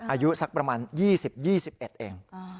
อายุสักประมาณ๒๐๒๑เอง